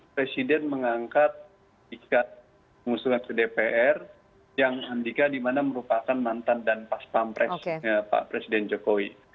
presiden mengangkat ikat musuhnya ke dpr yang andika dimana merupakan mantan dan paspam presiden jokowi